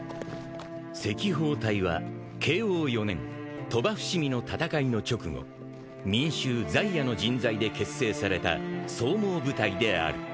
［赤報隊は慶応４年鳥羽・伏見の戦いの直後民衆在野の人材で結成された草莽部隊である］